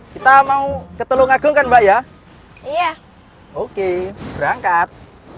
kita mau ke telung agung kan mbak ya iya oke berangkat